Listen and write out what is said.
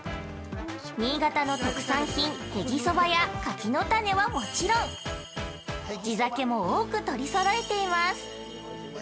新潟の特産品、へぎそばや柿の種はもちろん地酒も多く取りそろえています。